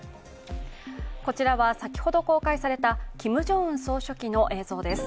こちらは先ほど公開されたキム・ジョンウン総書記の映像です